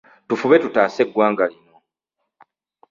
Tufube tutaase eggwanga lino.